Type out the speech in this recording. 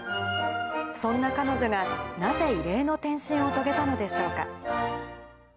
そんな彼女が、なぜ異例の転身を遂げたのでしょうか。